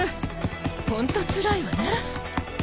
ホントつらいわね困るわ。